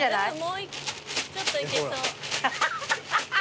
もうちょっといけそう。